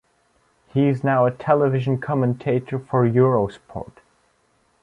He is now a television commentator for Eurosport.